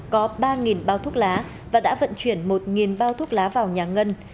có ba bao thuốc lá và đã vận chuyển một bao thuốc lá vào nhà ngân